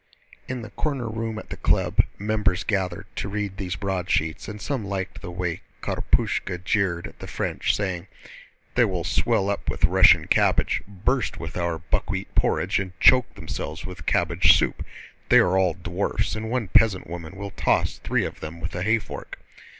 In the corner room at the Club, members gathered to read these broadsheets, and some liked the way Karpúshka jeered at the French, saying: "They will swell up with Russian cabbage, burst with our buckwheat porridge, and choke themselves with cabbage soup. They are all dwarfs and one peasant woman will toss three of them with a hayfork."